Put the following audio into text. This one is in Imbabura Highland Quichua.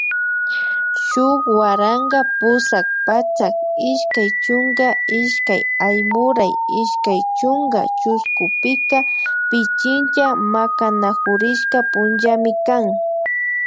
Shuk waranka pusak patsak ishkay chunka ishkay Aymuray ishkay chunka chushkupika Pichincha Makanakurishka punllami kan